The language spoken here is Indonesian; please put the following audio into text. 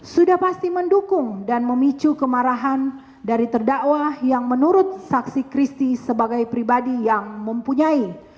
sudah pasti mendukung dan memicu kemarahan dari terdakwa yang menurut saksi christie sebagai pribadi yang mempunyai